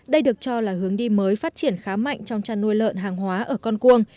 đây được cho là hướng đi mới phát triển khá mạnh trong chăn nuôi lợn hàng hóa ở con cuông